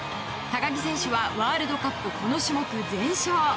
高木選手はワールドカップこの種目全勝。